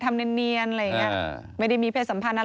เออทำเนี่ยอะไรไงไม่ได้มีเพศสัมพันธ์อะไร